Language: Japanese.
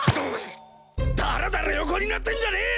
だらだら横になってんじゃねえ！